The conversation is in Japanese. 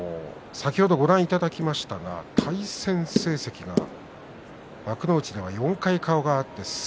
先ほどご覧いただきましたが対戦成績幕内では４回顔が合っています。